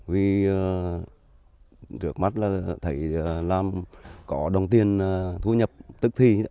vì trước mắt là thầy làm có đồng tiền thu nhập tức thi